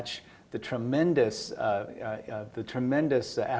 tapi juga untuk mencapai